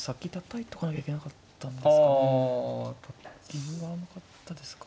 銀が甘かったですか。